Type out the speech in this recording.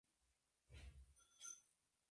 La mayoría del código es abierto.